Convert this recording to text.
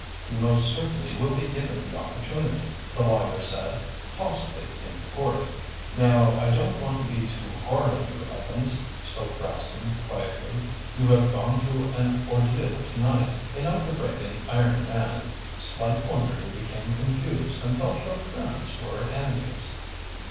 "You most certainly will be given the opportunity," the lawyer said. "Possibly in court." "Now I don't want to be too hard on you, Evans," spoke Rascomb quietly. "You have gone through an ordeal tonight, enough to break an iron man. Slight wonder you became confused and thought your friends were enemies."